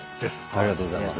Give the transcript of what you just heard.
ありがとうございます。